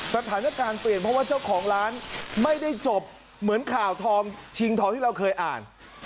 สถานการณ์เปลี่ยนเพราะว่าเจ้าของร้านไม่ได้จบเหมือนข่าวทองชิงทองที่เราเคยอ่าน